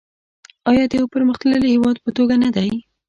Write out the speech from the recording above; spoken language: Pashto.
آیا د یو پرمختللي هیواد په توګه نه دی؟